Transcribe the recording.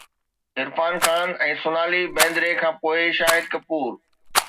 عرفان خان ۽ سونالي بيندري کان پوءِ، شاهد ڪپور